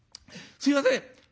すいません」。